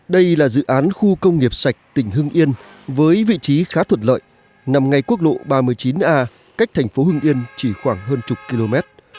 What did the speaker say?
đây là dự án khu công nghiệp sạch tỉnh hưng yên với vị trí khá thuật lợi nằm ngay quốc lộ ba mươi chín a cách thành phố hưng yên chỉ khoảng hơn chục km